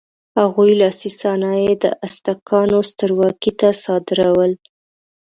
هغوی لاسي صنایع د ازتکانو سترواکۍ ته صادرول.